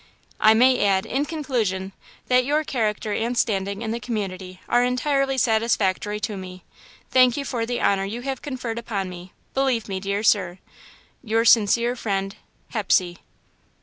"I may add, in conclusion, that your character and standing in the community are entirely satisfactory to me. Thanking you for the honour you have conferred upon me, believe me, Dear Sir, "Your sincere friend, "HEPSEY."